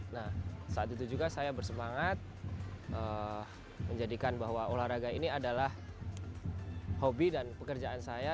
nah saat itu juga saya bersemangat menjadikan bahwa olahraga ini adalah hobi dan pekerjaan saya